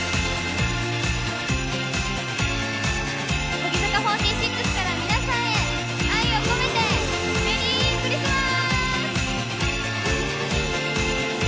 乃木坂４６から皆さんへ、愛を込めて、メリークリスマス。